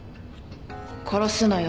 殺すのよ。